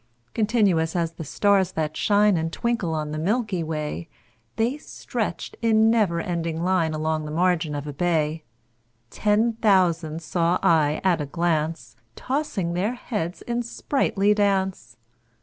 Continuous as the stars that shine And twinkle on the milky way, The stretched in never ending line Along the margin of a bay: Ten thousand saw I at a glance, Tossing their heads in sprightly dance.